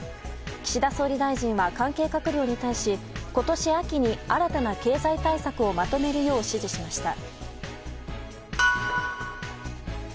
岸田総理大臣は関係閣僚に対し今年秋に新たな経済対策をまとめるよう指示しました。